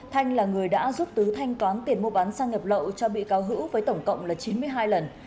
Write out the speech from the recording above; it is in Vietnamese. thanh là người đã giúp tứ thanh toán tiền mua bán sang ngập lậu cho bị cáo hữu với tổng cộng là chín mươi hai lần